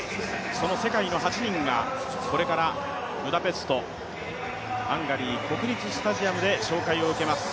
その世界の８人がこれからブダペスト、ハンガリー国立スタジアムで紹介を受けます